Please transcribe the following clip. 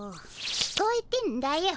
聞こえてんだよ。